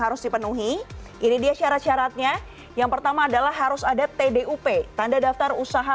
harus dipenuhi ini dia syarat syaratnya yang pertama adalah harus ada tdup tanda daftar usaha